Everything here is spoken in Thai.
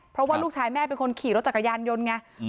เพราะว่าลูกชายแม่เป็นคนขี่รถจักรยานยนต์ไง